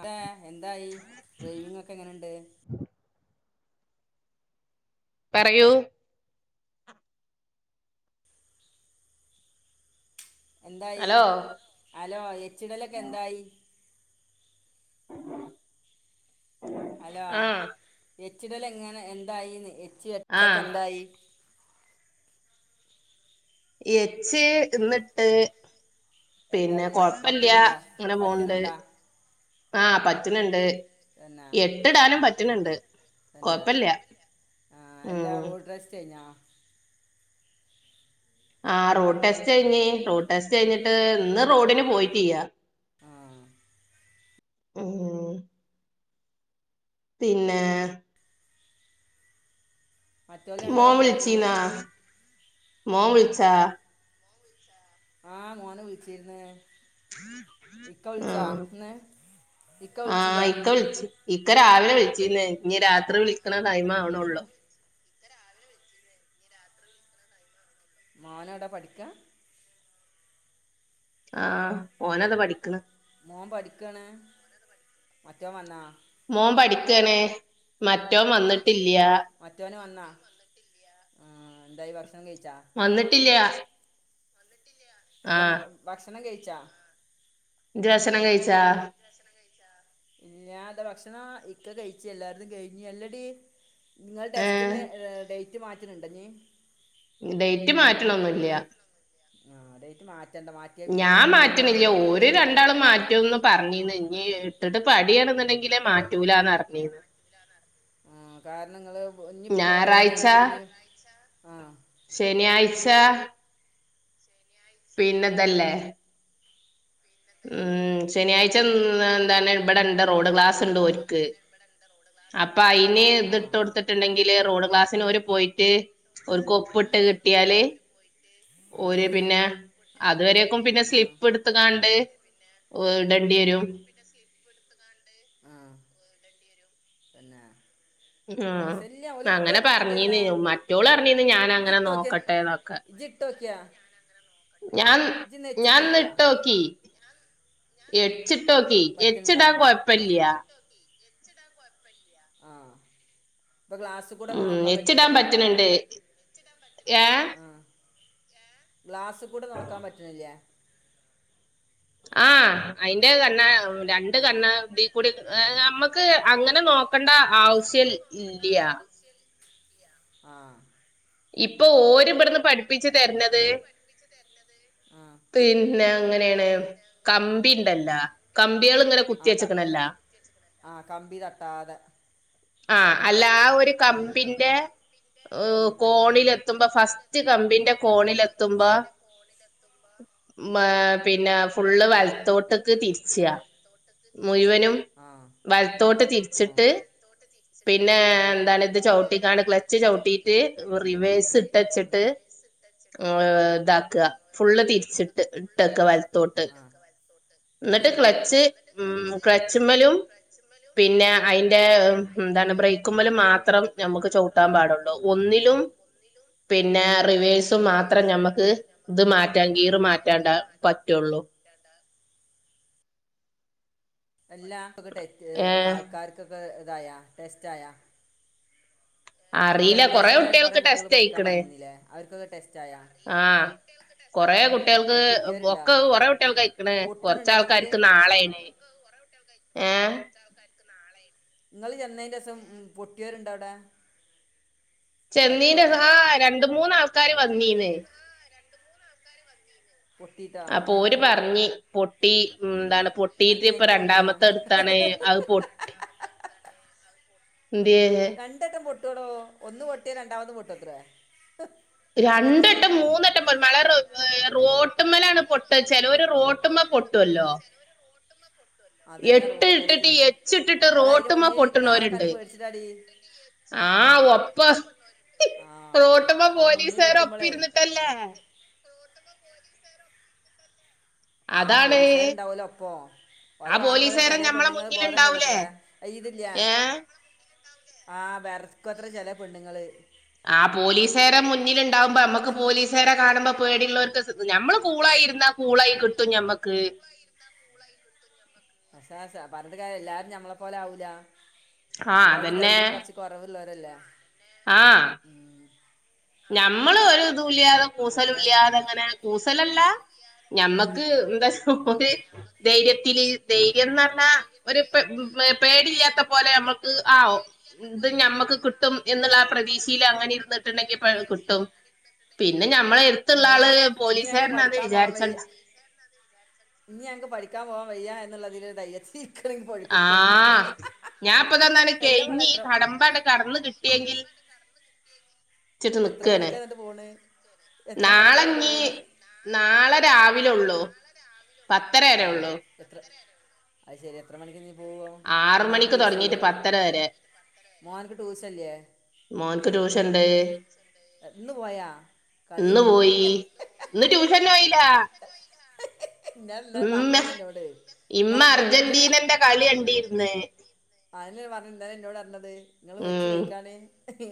അതെ എന്തായി ഡ്രൈവിങ് ഒക്കെ എങ്ങനെണ്ട്? പറയൂ എന്തായി ഹലോ ഹലോ എച്ചിടലൊക്കെ എന്തായി ആ ഹലോ എച്ചിടല് എങ്ങനെ എന്തായിന്ന് [unintelligible] ആഹ് എച്ച് ഇന്നിട്ട് പിന്നെ എന്തായി കൊഴപ്പില്ല, പറ്റുന്നുണ്ടാ അങ്ങനെ പോന്നുണ്ട് പറ്റുന്നുണ്ടാ ആ പറ്റനുണ്ട്, തന്നെ എട്ടിടാനും പറ്റനുണ്ട് തന്നെ കൊഴപ്പില്ല ആ എല്ലാ ഉം റോഡ് ടെസ്റ്റ് കഴിഞ്ഞാ ആ, റോഡ് ടെസ് കഴറഞ്ഞ്, റോഡ് ടെസ്റ്റ് കഴിഞ്ഞിട്ട്, ഇന്ന് റോഡിന് പോയി ത്തിയാ ആ ആ പിന്നെ മറ്റോലെ മോൻ രണ്ടാളും ഉണ്ടായിരുന്നെന്ന് വിളിച്ചീന്നാ മോമു വിളിച്ചോ ആഹ് മോൻ വിളിച്ചിരുന്നേ ഇക്ക വിളിച്ചാ ആഹ് ഇന്ന് ഇക്ക ആഹ് വിളിച്ചില്ലേ ഇക്ക വിളിച്ച് ഇക്ക രാവിലെ വിളിച്ചിന്ന് ഇനി രാത്രി വിളിക്കണ ടൈം ആവണള്ളോ മോനോടാ പഠിക്കാ ആഹ് ഓനതാ പഠിക്കണ് ഓൻ പഠിക്കണ് മറ്റോൻ വന്നാ ഓൻ പഠിക്കണെ മ റ്റവൻ വന്നിട്ടില്ല ആഹ എന്തായി ഭക്ഷണം കഴിച്ച വന്നിട്ടില്ല എല്ല ഭക്ഷണം കഴ [unintelligible] ദർശനം കഴിച്ചാ ഞാന്റെ ഭക്ഷണം ഇക്ക കഴിച്ചു എല്ലാരുടെതും കഴിഞ്ഞ് അല്ലടി നിങ്ങൾ ഏഹ് ടെസ്റ്റിന് ഡേറ്റ് മാറ്റണുണ്ടോ ഇനി ഡേറ്റ് മാറ്റണൊന്നും ഇല്ല്യാ ആ ഡേറ്റ് മാ ഞാൻ മാറ്റണില്ല ഓര് രണ്ടാളും മാറ്റൂന്ന് പറഞ്ഞീന്ന് ഇനീം ഇട്ടിട്ട് പടിയണ എന്നുണ്ടെങ്കിലേ മാറ്റൂലന്ന് അറിഞ്ഞീന്ന് ആ കാരണം നിങ്ങള് ഇനിയിപ്പോ പറയാ ഞായറാഴ്ച ഡേറ്റൊക്കെ ഇനിയും ആ [unintelligible] പിന്നെതല്ലേ ഉം ശനിയാഴ്ച എന്താണ് ഇവിടെണ്ട് റോഡ് ക്ലാസ് ഉണ്ട് ഓർക്ക് അപ്പ അയിന് ഇതിട്ട് ആഹ് കൊടുത്തിട്ടുണ്ടെങ്കിൽ റോഡ് ക്ലാസ്സിന് ഓര് പോയിട്ട് ഓരുക്ക് ഒപ്പിട്ട് കിട്ടിയാല് ആഹ് ഓര് പിന്നെ അതുവരെയക്കും പിന്നെ ആഹ് സ്ലിപ്പ് എടുത്ത് കാണ്ട് ഓടണ്ടി വരും ആ പിന്നെ ഉം അങ്ങനെ പർഞ്ഞീന്ന് മറ്റോളർഞ്ഞീന്ന് ഇജ്ജ് ഞാനങ്ങനെ ഇട്ടോക്കിയ നോക്കട്ടെ ന്നൊക്കെ ഇജ്ജ് ഇട്ടോക്കിയാ ഞാൻ ഇജ്ജ് നെച്ചിട്ടോക്കിയാ ഞാൻന്ന്ട്ടോക്കി എച്ചിട്ടോ ക്കി പറ്റ്ണ്ടാ എച്ചിടാൻ കൊയപ്പല്ല ആ ഉം എച്ചിടാൻ പറ്റ്ണ് ണ്ട് ഏ ഗ്ലാസ് കൂടെ നോക്കാൻ പറ്റ്ണില്ലേ ആ അയിന്റെ തന്ന [unintelligible] രണ്ട് ആ കണ്ണാടി കൂടെക്കെ അ് ഞമ്മക്ക് അങ്ങനെ ഏഹ് നോക്കണ്ട ആവുസ്യ ല്യ ആ ഇപ്പൊ ഓര്ബട്ന്ന് പഠിപ്പിച്ച് തര്നത് ആ പിന്നെ അങ്ങനെണ് കമ്പിണ്ടല്ല ക ആ ആ കമ്പി തട്ടാതെ ആ അ ല്ലാ ഒര് കമ്പിന്റെ അ് ഉള്ളിൽ കൂടെ ഫോണില് എത്തുമ്പം ഫസ്റ്റ് കാ മ്പിന്റെ കോണില് എത്തുമ്പോ പിന്നെ ഫ് ഫുള്ള് ആ ഏഹ് വലത്തോട്ട്ക്ക് തിര്ച്ച മുഴ് വനും ആ വലത്തോട്ട് ആ തിരിച്ചിട്ട് പിന്നെ ആ എന്താണ് ഇത് ചവിട്ടിക്കാണ്ട് ക്ലച്ച് ചൗട്ടീട്ട് റിവെസ്സ് ഇട്ടച്ച്ട്ട് ഏഹ് ഉം ഇതാക്ക ഫുള്ള് തിക് തിരിച്ച് ഇട്ട് ഇട്ടക്ക വല്ത്തോട്ട് അത് എന്നിട്ട് ശരി ക്ലച്ച് ഉം ക്ലച്ച്മലും പിന്നെ അയ്ന്റെ എന്താണ് ബ്രേക്മ്മലും മാത്രം നമുക്ക് ചവ്ട്ടാൻ പാടോള്ളൂ ഒന്നില പിന്നെ റിവേഴ്സും മാത്രം ഞമ്മക്ക് ഇത് മാറ്റാൻ കീറ് മാറ്റാണ്ട പറ്റൊള്ളൂ അല്ലാ ട്ടെച്ച് ഏഹ് ആൾക്കാർക്കൊക്കെക്കഹ് ആയാ ടെസ്റ്റായാ അന്ന് അറീല്ല കൊറേ വെക്കേഷനിൽ കുറേ കുട്ട്യേൾക്ക് കുട്ടികൾ ടെസ്റ്റ് പഠിക്കാൻ അയ്ക്ണ് വന്നിരുന്നില്ലേ അവർക്കൊക്കെ ടെസ്റ്റായാ ആഹ് കൊറേ കുട്ട്യേക്ക് അവർക്ക് കിട്ടിയവരുണ്ടോ ഒക്ക കൊറെ കുട്ട്യേൾക്ക് അയ്ക്ണ് പൊട്ടുന്നുണ്ടെങ്ങ അതില് കൊറച്ചാൾക്കാർക്ക് നാളേയ്ണ് ഏഹ് ഇങ്ങള് ചെന്നേന്തേസം. പൊട്ട്യേരുണ്ടോ അവ്ടെ ചെന്നീന്റെസം ആഹ് രണ്ട് മൂന്നാൾക്കാര് വന്നീന്ന് പൊട്ടിയിട്ടോ അപ്പോര് പറ്ഞ്ഞ് പൊട്ടി ഹ് ന്താണ് പൊട്ടിയിട്ട് അനക്ക് ഇപ്പൊ നെഞ്ഞ് പൊട്ടിയാ രണ്ടാമത്തടുത്താണ് അഹ് പൊട്ടി ന്ത്യെ ട്ടോടോ ഒന്ന് പൊട്ടിയ രണ്ടാമത് പൊട്ടോ എത്രേ രണ്ടട്ടം മൂന്നട്ടം മള റോട്ട്മ്മലാണ് പൊട്ട ചെലോല് റോ പൊട്ടുംമ്മ പൊട്ടുല്ലോ അതന്നെ എട്ട് റോഡ് ഇട്ടിട്ട് ടെസ്റ്റിന് എച്ചിട്ടിട്ട് അത് അതിന്റെ റോട്ട്മേ മുന്നിൽ ഇരിക്കണ ആളെ പൊട്ട്ണോല്ണ്ട് കണ്ട് പേടിച്ചിട്ടാടി ആ ഒപ്പ ആ റോട്ട്മേ അത് മുന്നിൽ പോലീസുകാര് ഒപ്പം ഇരിക്കുമ്പോളേ ഇരുന്നിട്ടല്ലേ ആ അതാണ് പോലീസുകാരുണ്ടാവലോ അപ്പൊ ഓല ആ കാണുമ്പോ പോലീസുകാരൻ ചെില നമ്മളെ പെണ്ണുങ്ങൾ ബോധം കടുത്ര മുന്നിലുണ്ടാവൂലേ ഇതില്ല ഏ ആ വെറക്കത്ര ചില പെണ്ണുങ്ങള്ൾ ആ പോലീസുകറെ മുന്നിൽുണ്ടാവുമ്പോ നമ്മുക്ക് പോലീസുകറെ കാണുമ്പോ പേടിയള്ളവർക്ക് മ്മൾ കൂളായിരുന്നാ കൂളായി കിട്ടും ഞമ്മക്ക് പക്ഷെ പറഞ്ഞിട്ട കാര്യം എല്ലാരും ഞമ്മളെ പോലെ ആാവൂല ആ അതന്നെ പിള്ളരല്ലേ ആ ഞമ്മള് ഒരു ല്ലാതെ കൂസലും ഏതാ ഇല്ലാതെ അങ്ങനെ കൂ ല്ലല്ല ഞമ്മക്ക് ആ [unintelligible] ധൈര്യത്തില് ധൈര്യം ന്ന് പറഞ്ഞാ ഒരു പേടില്ലാത്ത പോലെ നമ്മുക്ക് ആവും ഇത് ഞമ്മക്ക് കിട്ടും എന്നുള്ള പ്രതീക്ഷയിൽ അങ്ങനെ ഇരുന്നിട്ടുണ്ടെങ്കിൽ കിട്ടും പിന്നെ എടുത്തുള്ള ഇനി ന ആള് ഇനി ഞങ്ങക്ക് പോലീസുകാരനാന്ന് പഠിക്കാൻ പോവാൻ വയ്യ വിചാരിച്ചണ്ട ഇനി ഞങ്ങക്ക് പഠിക്കാൻ പോവാ വയ്യ എന്നുള്ളതിൽ തയ്യ സി ആ ഞാൻപ്പ തന്ന എല്ലാ മോളെ കഴിഞ്ഞ് ഈ എത്ര കടമ്പ അങ്ങട് കടന്ന് കിട്ടി ട്ടിഎങ്കിൽ ചിട്ട് എത്ര നിക്കാണ് മണിക്കാ എന്നിട്ട് പോണ് എത്ര മണിക്കാ നാളെ എന്നിട്ട് നീ പോണ് നാളെ രാവിലെ ലൊള്ളോ പത്തരയര ആഹ് ഉള്ളു എത്ര അത് ശരി എത്ര മണിക്ക് പോവാ ആറ് മോൻക്ക് മണിക്ക് തൊടങ്ങിട്ട് ട്യൂഷല്ലേ പത്തര വരെ മോൻക്ക് ട്യൂഷല്ലേ മോൻക്ക് ട്യൂഷൻണ്ട് ഉ ഇന്ന് പോയാ കളി ഇന്ന് പോയി ഇന്ന് ട്യൂഷന് പോയില്ല ഇന്നലെ ഇന്നലെ ഉമ്മ പറഞ്ഞല്ലേ എന്നോട് ഇമ്മ ഞാൻ പോവൂല അർജന്റീനന്റെ കളി കണ്ടിരന്ന് അതല്ലേ പറഞ്ഞത് ഇന്നലെ എന്നോട് പറഞ്ഞത് നിങ്ങള് വെച്ചു ഉം വൈയിക്കാണ് ഏ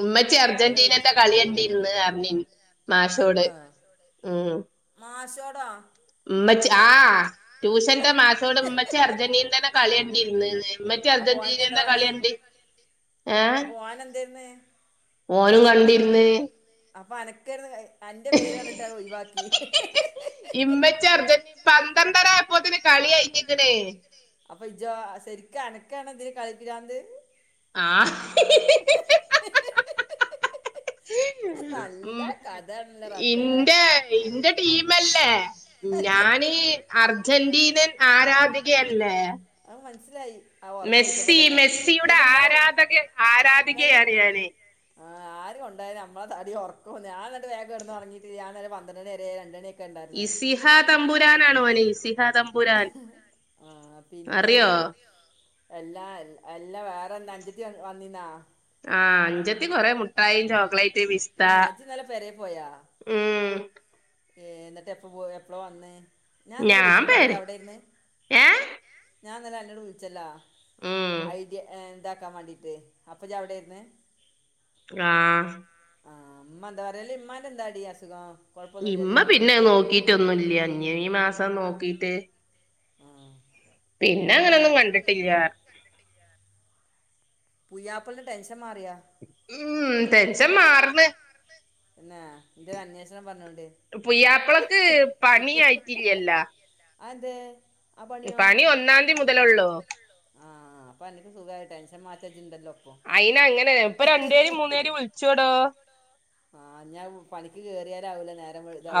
ഉമ്മച്ചി അർജന്റീനന്റെ കളിയണ്ടിന്ന് ലവി മാസോട് ഉം കുടാ ഉമ്മച്ചി ആ ട്യൂഷന്റെ മാസോട് ഉമ്മച്ചി അർജന്റീനെ കളയണ്ടിര്ന്ന് മ്മച്ചി അപ്പൊ ഓനക്ക് എന്താ അർജന്റീനേന്റ പണി കളിയണ്ട് ഏ അപ്പൊ ഓൻ എന്തായിരുന്ന് ഓള്ള് വണ്ടീര്ന്ന് അപ്പോ അനക്കരുന്നു അന്റെ പേര് പറഞ്ഞിട്ട് അത് ഒഴുവാക്കി ഇജ്ജ് അർജന്റീന പന്ത്രണ്ടരായപ്പോതേന് കളി കഴിഞ്ഞിക്കണ് അപ്പൊ ഇജ്ജോ ശരിക്ക് അനക്കാണ് ഇത് കളിപ്രാന്ത് ആഹ് നല്ല ഉമ് കഥയാണല്ലോ റബ്ബേ ഇന്റെ ഇന്റെ ടീം മെല്ലെ ഞാനീ അർജന്റീനന് ആരാധികയല്ലേ അത് മനസ്സിലായി ആ ഒറക്ക ഒഴിച്ചപ്പോ മെസ്സി തന്നെ മെസ്സിയുടെ എന്നിട്ട് ഇന്ന ആരാധക ഇന്നല്ലേ ആരാധികയാണ് ഞാന് ആ ആരും ഒണ്ടായ നമ്മള തടി കൊറ ഓ ഞാനന്നിട്ട് നേരത്തേ കേടന്ന് ഒറങ്ങീട്ട് ഞാനിന്നലെ പന്ത്രണ്ട്ണിവരെ രണ്ട്മണി ഇസിഹാ തമ്പുരാനാണു മോനേ ഇസിഹ തമ്പുരാൻ ആഹ് പിന്നെ അറിയോ എല്ലാ എല്ലാ വേറെ നഞ്ചിത് വന്നിന്നാ ആഹ് അഞ്ചത്തി കൊറെ മുട്ടായീം ചോക്ലേറ്റ് റ്റ് പിസ്താ ആഹ് ഇജ്ജ് ഇന്നലെ പെരേ ഉമ് ഏങ് എന്നിട്ട് എപ്പ പോ എപ്പളോ വന്ന് ഇന്നലെ ഞാൻ വിളിച്ചപ്പളൊക്കെ പേര് ഏഹ് ഞാനിന്നല അനൊട് വിളിച്ചല്ലാ ഐദ്യ ഏങ് എന്താക്കാൻ വേണ്ടീട്ട് അപ്പം ഇജ്ജ് എവിടെയായിരുന്നു ആഹ് ആഹ് ഇമ്മ എന്താ പറയല്ല് ഇമ്മാന്റെ എന്താടി അസുഖം ഇമ്മ കുഴപ്പമൊന്നുമില്ലല്ലോ പിന്നെ നോക്കീട്ടൊന്നുവില്ല ഞ്ഞ ഈ മാസം നോക്കിട്ട് ആഹ് പിന്നെ അങ്ങനൊന്നും കണ്ടിട്ടില്യാ പുയാപ്പ്ളാ ടെൻഷൻ മാറിയ ഉം ടെൻഷൻ മാറണ് ആഹ് എന്റെ അന്വേഷണം പറഞ്ഞോണ്ട് പുയ്യാപ്പളക്ക് പണി ആയിട്ടില്ലല്ല അതെന്ത് പണി ഒന്നാതീ മുതലുള്ളൂ ആഹ് അപ്പൊ അനിക്ക് സുഖവായ് ടെൻഷൻ മാറ്റാ ഇജ്ജ് ഉണ്ടല്ലോ ഇപ്പം അയിന് അങ്ങനെ ഇപ്പ രണ്ടുര് മൂന്നേര് വിളിച്ചോടോ ആഹ് ഞാ പണിക്ക് കേയറിയ രാവിലെന്നെ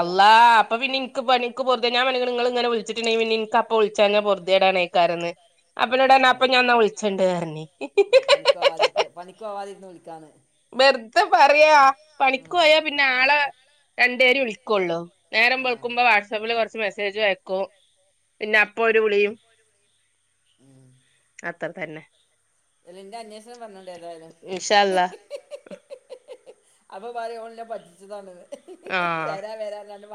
അള്ളാ അപ്പൊ പിന്നെ എനിക്ക് എനിക്ക് പുറതെ ഞാൻ നി ഇങ്ങനെ വിളിച്ചിട്ടുണ്ടെങ്കിൽ പിന്നെ എപ്പൊളിച്ചാഴഞ്ഞാെറുതെടാണ് കേക്കാരന്ന് അപ്പനോട് അപ്പൊ അപ്പളോടാണ് ഞാൻന്നാ വിളിച്ചണ്ട് പറഞ്ഞി വിളിക്കാണ് വെറുതെ പറയാ പണിക്ക് ഉം പോയാ പിന്നെ ആളെ രണ്ടു പേര് വിളിക്കള്ളോ നേരം ആഹ് വെളുക്കുമ്പോ വാട്സആപ്പിൽ കുറച്ച് മെസേജ് ആയക്കും ക്കും പിന്നെ അപ്പൊ ഒരു വിളിയും അത്ര തന്നെ ഇ എന്റെ അന്വേഷണം പറഞ്ഞണ്ട് ഇൻഷാ അള്ളാ [unintelligible] അപ്പൊ പറയും ഓള് ന്നെ പറ്റിച്ചതാണത് വരാ വരാ പറഞ്ഞാണ്ട്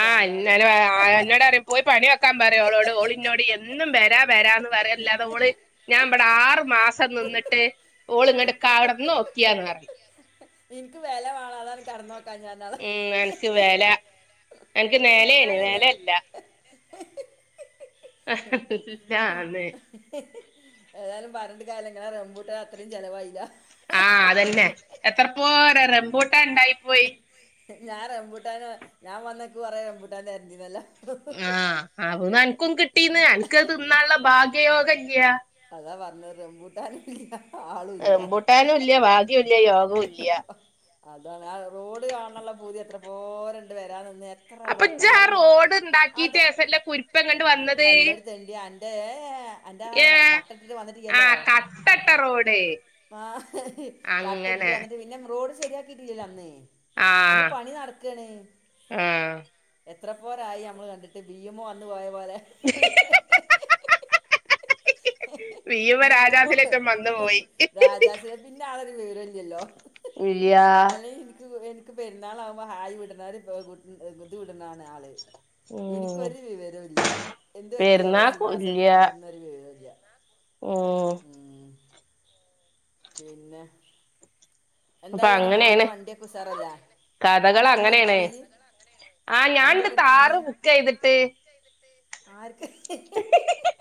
ആ എന്ന എന്നോട് പറയും പോയി പണി നോക്കാൻ പറയോളോട് ഓളിനോട് എന്നും വരാ വരാന്ന് പറയല്ലാതെ ഓള് ഞാൻ ഇവിടെ ആറു മാസം നിന്നിട്ട് ഓള് ഇങ്ങട് അ കടന്ന് നോക്കിയാന്ന് പറ ഇനിക്ക് വില വേണം അതാണ് കടന്ന് നോക്കാഞ്ഞേ പറഞ്ഞെ അതാ എനിക്ക് നേലയാണ് നലയല്ല ആന്ന് നിങ്ങളെ റമ്പൂട്ടാൻ ഇട്ട അത്രയും ചെലവായില്ല എത്രപ്പോ റംബോട്ടാൻ ഇണ്ടായി പോയി ഞാൻ റംമ്പൂട്ടൻ ഞാൻ വന്നക്ക് കുറേ റംമ്പൂട്ടാൻ തെരണ്ടി വരേല്ലോ ആ ആ നൻ ക്കും കിട്ടീന്ന് അനക്ക് അത് തിനാന്നുള്ള ഭാഗ്യയോഗല്ല്യ അതാ പറഞ്ഞത് റംമ്പൂട്ടാനില്ല ആളുല്ല റംബൂട്ടാനും ഇല്ല ഭാഗ്യവുല്ല യോഗവും ഇല്ല അതാണ് ആ റോഡ് കാണാനുള്ള പൂതിയത്ര ഓ രണ്ടു വരാന്ഒന്ന [unintelligible] അപ്പൊ ഇജ്ജ് ആ റോഡ് ഉണ്ടാക്കിട്ടേസല്ല കുരിപ്പേ ഇങ്ങട്ട്‌ വന്നത് ദേ അന്റെ ആ ഏഹ് കട്ടട്ടിട്ട് വന്നിട്ടി ലല്ലോ ആഹ് കട്ടട്ട റോഡ് കട്ടട്ടിട്ട് അങ്ങനെ വന്നിട്ട് പിന്നെ റോഡ് ശരിയാക്കിയിട്ടില്ല അന്ന് അന്ന് ആഹ് പണി നടക്കണ് ആഹ് എത്ര പോരായി നമ്മള് കണ്ടിട്ട് ബി എം മോ വന്ന് പോയ പോലെ വീയുമ്മ ബി എം രാജാസിലേറ്റം വന്നു പോയി രാജാസിനെ പിന്നെ ആളൊരു വിവരുംല്ലല്ലോ ഇല്ല്യ അല്ല ഇനിക്ക് എ പെരുന്നാൾ ആവുമ്പോ ഹായി വിടുന്ന ഒരു [unintelligible] കുത്ത വിടണാണ് ആള് ഉം ഇനിക്കൊരു വിവരവും ഇല്ല എന്ത് പറ്റയാവോ പെരുന്നാക്കും സീനാ സമിനാൻറ് എന്നൊരു വിവരം ഇല്ല മം പിന്നെ അപ്പൊ എന്തായാലും മോൻ്റെ അങ്ങനെയാണ് വണ്ടിയൊക്കെ ഉഷാറല്ലേ കഥകൾ ഇന്ന് വണ്ടി അങ്ങനെയാണ് എടുത്തിരുന്ന ജി ആ ഞാനണ്ട് വണ്ടിയൊക്കെ എടുത്തിരുന്നു താറ് ബുക്ക് ചെയ്തിട്ട് ആർക്ക് ഹഹ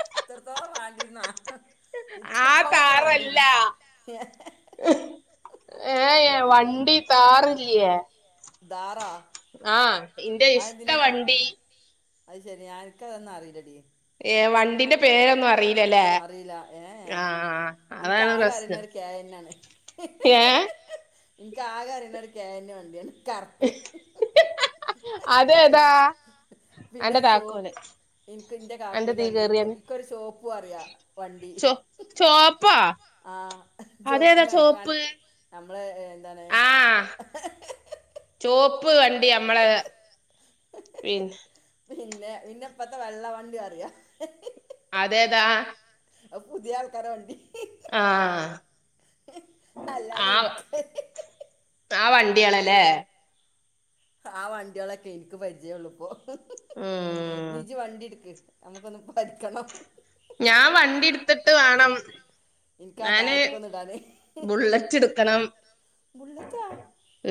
[inaudible] [unintelligible] ആ ഇത്രത്തോളൊക്കെ താറല്ല വേണ്ടിയിരുന്നു ഏ വണ്ടി താറില്ല താറേ ആ ഇന്റെ ഇഷ്ട വണ്ടി അത് ശെരി അനക്ക്തൊന്നും അറിയില്ലടി വണ്ടി ന് പേരൊന്നും അറിയില്ലല്ലേ അറിയില്ല ഏ ഏ. ആഹ എനിക്ക് അതാണ് ആകെ അറിയുന്ന പ്രശ്നം ഒരു കെ എൻ ഏ ഇക ആക അറി ണത് കേന് വണ്ടിയാണ് കറുപ്പ് ഹ അതേതാ പിന്നെ അന്റെ ഒരു ചോ താക്കോല് എനിക്ക് എന്റെ അന്റെ കാക്കുന തീ വണ്ടി കേറിയന്ന് ഇക്കരു ചോപ്പും അറിയാ വണ്ടി ചോ ചോപ്പാ ആ ചോപ്പും അതേതാ കറുപ്പ് ചോപ്പ് മ്മളെ എ ളെ ഏ ചുവപ്പ് വണ്ടി നമ്മളെ പിന്നെ പിന്നെ പിന്നെ ഇപ്പത്തെ വെള്ള വണ്ടി അറിയാ ഹ അതെതാ അപ്പൂതിയാൾക്കാരെവണ്ടി ആഹ അല്ലാതെ ആ എനിക്ക് ആ വണ്ടിയ ആണല്ലേ ആ വണ്ടികളൊക്കെ എനിക്ക് പരിചയം ഉള്ളൂ പു ഉം നീജി വണ്ടി എടുക്ക് നമ്മുക്കൊന്ന് പഠിക്കണം ഞാൻ വണ്ടി എടുത്തിട്ട് വേണം എനിക്ക് ആ ഞാന് താഴത്തേക്കൊന്ന് ഇടാനേ ബുള്ളറ്റ് എടുക്കണം ബുള്ളറ്റാ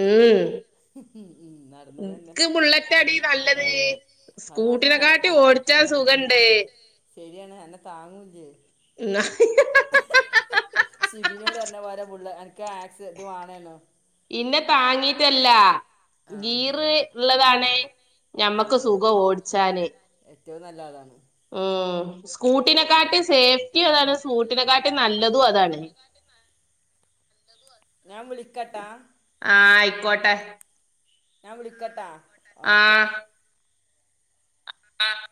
ഉം ഉം നടന്നത് തന്നെ നിക്ക് ബുള്ളറ്റ് അടി നല്ലത് അത് നല്ലതാണ് സ്കൂട്ടിനെക്കാട്ടി ഓടിച്ചാ അന്നെ സുഖണ്ട് ശരിയാണ് എന്നെ താങ്ങുലെ എന്ന [unintelligible] പിന്നെ താങ്ങീട്ടല്ല ആ ഗീറ് ഉള്ളതാണ് ആ ഞമ്മക്ക് സുഖ ഓടിച്ചാന് ഏറ്റവും നല്ലതാണ് ആഹ സ്കൂട്ടിനെക്കാട്ടി സേഫ്റ്റി അതാണ് സ്കൂ കുട്ടിലെക്കാട്ടെ നല്ലതും അതാണ് ഞാൻ വിളിക്കട്ടാ കോട്ട ഞാൻ വിളിക്കട്ടാ ആഹ ആഹ്